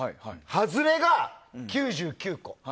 外れが９９個。